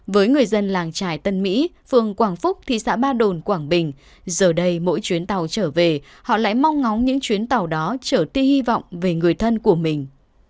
với người dân làng trài tân mỹ phường quảng phúc thị xã ba đồn quảng bình giờ đây mỗi chuyến tàu trở về họ lại mong ngóng những chuyến tàu đó trở ti hy vọng về người thân của mình